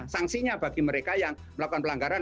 sanksinya bagi mereka yang melakukan pelanggaran